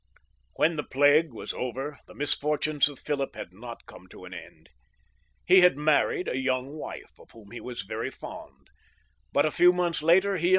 \ When the plague was over, the misfortunes of Philip ■ had not come to an end. He had married a young wife, of whom he was very fond, but a few months later he